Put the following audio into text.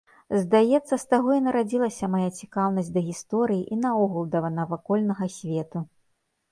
Здаецца, з таго і нарадзілася мая цікаўнасць да гісторыі і наогул да навакольнага свету.